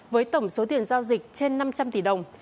với tổng số tiền giao dịch trên năm trăm linh tỷ đồng